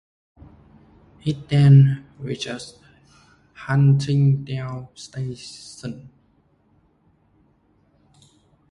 It then reaches Huntingdale Station.